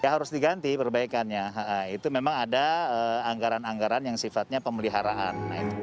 ya harus diganti perbaikannya itu memang ada anggaran anggaran yang sifatnya pemeliharaan